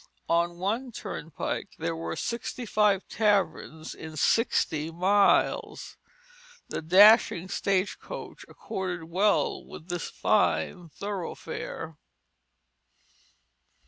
On one turnpike there were sixty five taverns in sixty miles. The dashing stage coach accorded well with this fine thoroughfare.